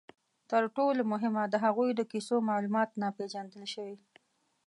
تر ټولو مهمه، د هغوی د کیسو معلومات ناپېژندل شوي.